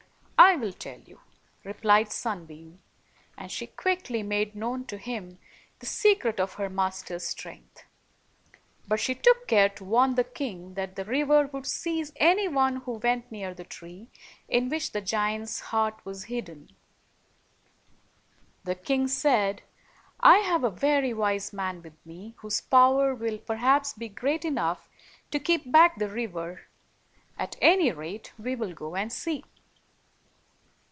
"I will tell you," replied Sunbeam; and she quickly made known to him the secret of her master's strength. But she took care to warn the king that the river would seize any one who went near the tree in which the giant's heart was hidden. The the king said, " I have a very wise man 108 with me, whose power will perhaps be great enough to keep back the river; at any rate, we will go and see."